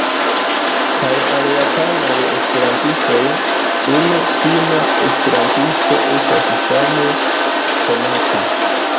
Kaj al japanaj esperantistoj, unu finna esperantisto estas fame konata.